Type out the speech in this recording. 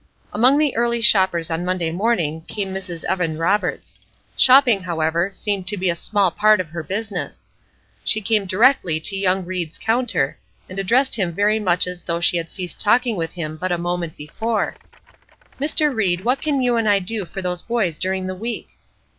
Among the early shoppers on Monday morning came Mrs. Evan Roberts. Shopping, however, seemed to be a small part of her business. She came directly to young Ried's counter, and addressed him very much as though she had ceased talking with him but a moment before: "Mr. Ried, what can you and I do for those boys during the week?"